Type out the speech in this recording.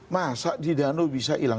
masa di danau bisa hilang